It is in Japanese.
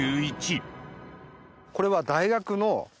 これは。